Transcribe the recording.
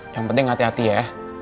yang penting hati hati ya